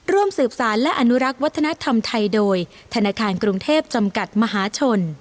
ร่วมสืบสารและอนุรักษ์วัฒนธรรมไทยโดยธนาคารกรุงเทพจำกัดมหาชน